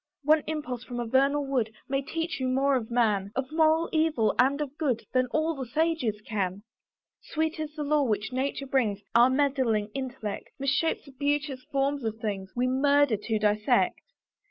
One impulse from a vernal wood May teach you more of man; Of moral evil and of good, Than all the sages can. Sweet is the lore which nature brings; Our meddling intellect Misshapes the beauteous forms of things; We murder to dissect.